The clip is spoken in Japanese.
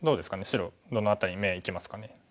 白どの辺りに目がいきますかね。